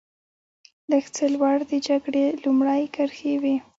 لږ څه لوړ د جګړې لومړۍ کرښې وې.